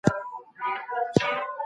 قضیې په محکمو کي حل کیږي.